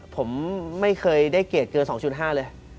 ผมไม่เคยได้เกลียดเกิน๒๕เลย